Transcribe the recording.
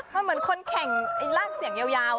เหมือนคนแข่งลากเสียงยาว